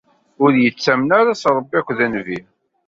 Ur yettamen ara s Rebbi akked nnbi.